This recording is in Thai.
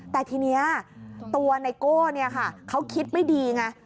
แต่ทีนี้ตัวไนโก้เนี่ยค่ะเขาคิดไม่ดีไง